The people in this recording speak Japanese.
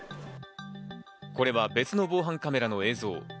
これは別の防犯カメラの映像。